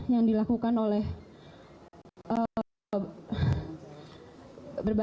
yang dilakukan oleh berbagai